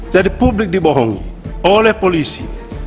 jadi publik dibohongi oleh polisi